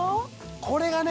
これがね